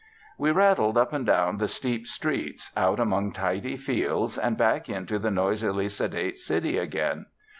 We rattled up and down the steep streets, out among tidy fields, and back into the noisily sedate city again.